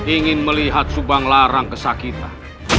ingin melihat subanglarang kesakitan